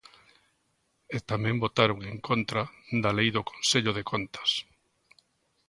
E tamén votaron en contra da Lei do Consello de Contas.